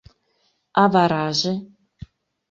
А вараже?